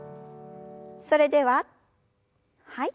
それでははい。